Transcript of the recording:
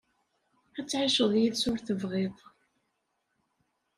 Ad tɛiceḍ yid-s ur tebɣiḍ.